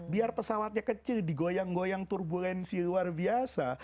biar pesawatnya kecil digoyang goyang turbulensi luar biasa